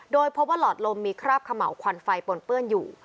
โดยพบว่าหลอดลมมีคราบเขม่าวควันไฟปนเปื้อนอยู่